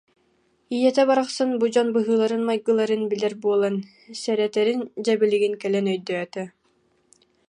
Ийэтэ барахсан бу дьон быһыыларын-майгыларын билэр буолан, сэрэтэрин дьэ билигин кэлэн өйдөөтө